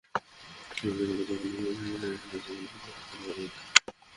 আবার দেশের আনাচ–কানাচে শিশুদের শারীরিক শাস্তির অনেক ঘটনাই লোকচক্ষুর আড়ালে থেকে যায়।